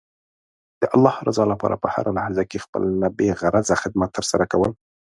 د الله رضا لپاره په هره لحظه کې خپله بې غرضه خدمت ترسره کول.